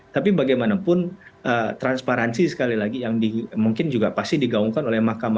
tapi bagaimanapun transparansi sekali lagi yang mungkin juga pasti digaungkan oleh mahkamah